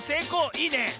いいね。